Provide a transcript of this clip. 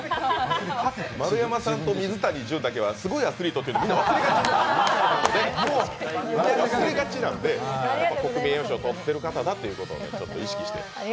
丸山さんと水谷隼だけはすごい人だってみんな忘れがちなんで国民栄誉賞をとっている方だというのを意識していただいて。